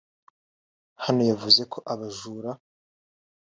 Hano yavuze ko abajura